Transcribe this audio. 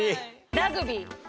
ラグビー。